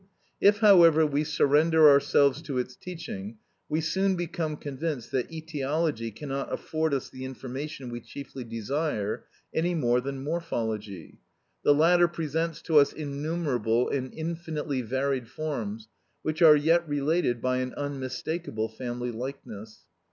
If, however, we surrender ourselves to its teaching, we soon become convinced that etiology cannot afford us the information we chiefly desire, any more than morphology. The latter presents to us innumerable and infinitely varied forms, which are yet related by an unmistakable family likeness.